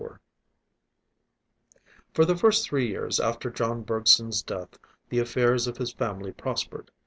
IV For the first three years after John Bergson's death, the affairs of his family prospered.